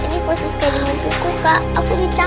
ini proses kajemut buku kak aku dicatkan